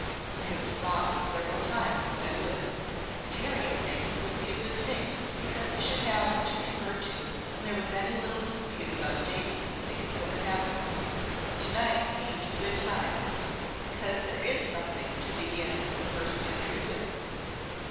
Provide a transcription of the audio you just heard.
I have thought several times that I would, and Harriet thinks it would be a good thing because we should have it to refer to when there was any little dispute about dates and things that have happened. To night seemed a good time because there is something to begin the first entry with.